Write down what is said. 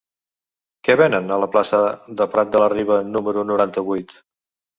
Què venen a la plaça de Prat de la Riba número noranta-vuit?